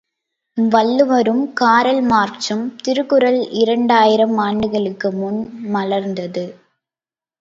வள்ளுவரும் கார்ல்மார்க்சும் திருக்குறள் இரண்டாயிரம் ஆண்டுகளுக்கு முன் மலர்ந்தது.